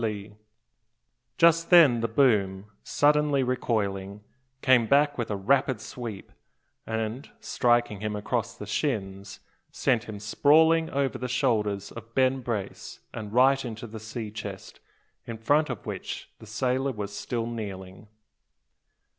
Just then the boom, suddenly recoiling, came back with a rapid sweep; and, striking him across the shins, sent him sprawling over the shoulders of Ben Brace, and right into the sea chest, in front of which the sailor was still kneeling.